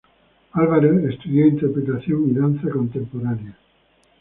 Álvarez estudió Interpretación y Danza Contemporánea.